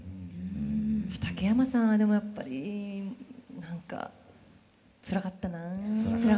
畠山さんはでもやっぱり何かつらかったな。